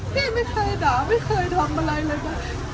ไม่เคยด่าไม่เคยทำอะไรเลยค่ะ